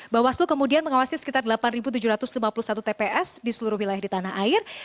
bawaslu kemudian mengawasi sekitar delapan tujuh ratus lima puluh satu tps di seluruh wilayah di tanah air